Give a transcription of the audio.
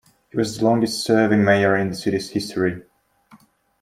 He was the longest-serving mayor in the city's history.